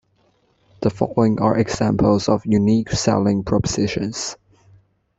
The following are examples of Unique Selling Propositions.